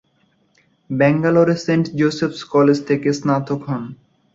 ব্যাঙ্গালোরের saint Joseph college থেকে স্নাতক হন।